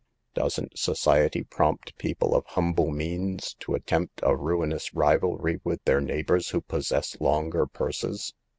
Doesn't society prompt people of humble means to attempt a ruinous rivalry with their neighbors who possess longer purses